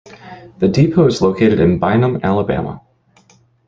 The depot is located in Bynum, Alabama.